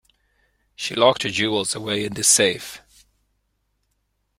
She locked her jewels away in this safe.